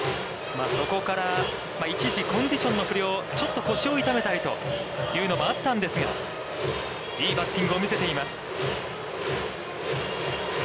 そこから、一時、コンディションの不良、ちょっと腰を痛めたりというのもあったんですが、いいバッティングを見せています。